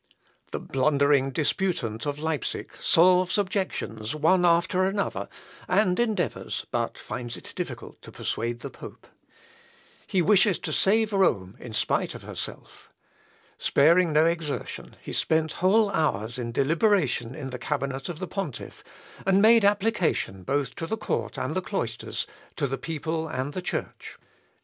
The blustering disputant of Leipsic solves objections one after another, and endeavours, but finds it difficult to persuade the pope. He wishes to save Rome in spite of herself. Sparing no exertion, he spent whole hours in deliberation in the cabinet of the pontiff, and made application both to the court and the cloisters, to the people and the Church.